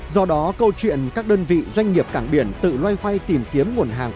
do đó câu chuyện các đơn vị doanh nghiệp cảng biển tự loay hoay tìm kiếm nguồn hàng